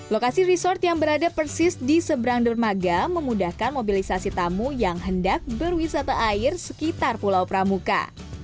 lokasi resort yang berada persis di seberang dermaga memudahkan mobilisasi tamu yang hendak berwisata air sekitar pulau pramuka